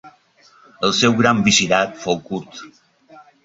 El seu gran visirat fou curt.